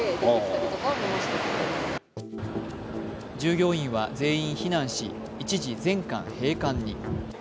従業員は全員避難し一時、全館閉館に。